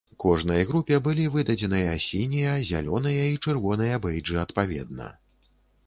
Кожнай групе былі выдадзеныя сінія, зялёныя і чырвоныя бэйджы адпаведна.